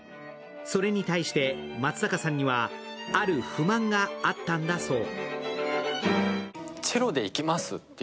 それに対して、松坂さんにはある不満があったんだそう。